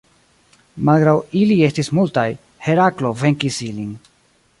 Malgraŭ ili estis multaj, Heraklo venkis ilin.